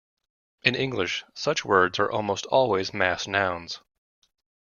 In English, such words are almost always mass nouns.